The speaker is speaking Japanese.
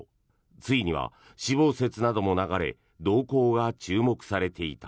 ついには死亡説なども流れ動向が注目されていた。